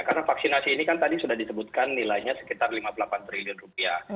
karena vaksinasi ini kan tadi sudah disebutkan nilainya sekitar lima puluh delapan triliun rupiah